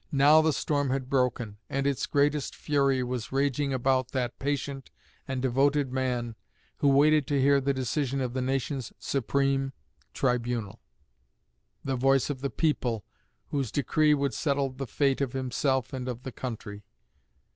Now the storm had broken, and its greatest fury was raging about that patient and devoted man who waited to hear the decision of the nation's supreme tribunal the voice of the people whose decree would settle the fate of himself and of the country.